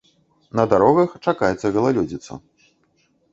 На дарогах чакаецца галалёдзіца.